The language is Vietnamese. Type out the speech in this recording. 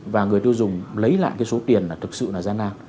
và người tiêu dùng lấy lại cái số tiền là thực sự là gian nan